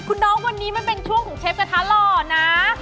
คุณน้องวันนี้มันเป็นช่วงของเชฟกระทะหล่อนะ